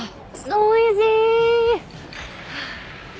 おいしい！